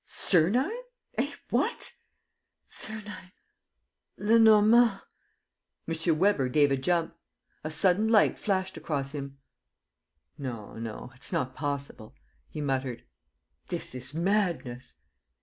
"Sernine! ... Eh, what?" "Sernine ... Lenormand. ..." M. Weber gave a jump. A sudden light flashed across him. "No, no, it's not possible," he muttered. "This is madness."